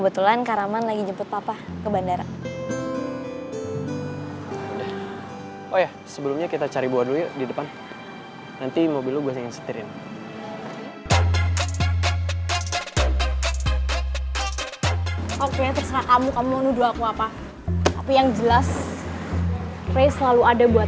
tunggu dulu tunggu dulu